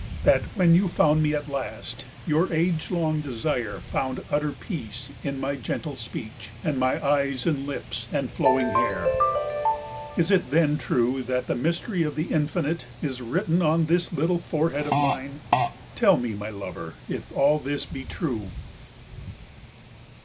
That when you found me at last, your age long desire found utter peace in my gentle speech and my eyes and lips and flowing hair? Is it then true that the mystery of the Infinite is written on this little forehead of mine? Tell me, my lover, if all this be true.